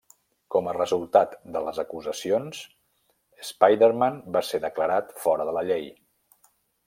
Com a resultat de les acusacions, Spiderman va ser declarat fora de la llei.